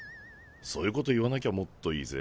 そういうこと言わなきゃもっといいぜ。